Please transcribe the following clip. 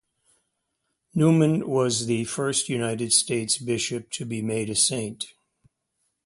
Neumann was the first United States Bishop to be made a saint.